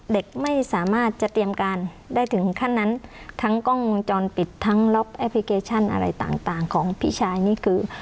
เด็กไม่สามารถจะเตรียมการได้ถึงขั้นนั้นทั้งกล้องวงจรปิดทั้งล็อบแอปพลิเคชันอะไรต่างต่างของพี่ชายนี่คือ